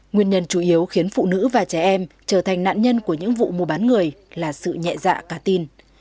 nguyên nhân chủ yếu khiến phụ nữ và trẻ em trở thành nạn nhân của những vụ mùa bán người là sự nhẹ dạ cả tin